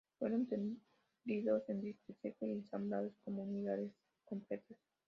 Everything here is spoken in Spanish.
Fueron tendidos en dique seco y ensamblados como unidades completas.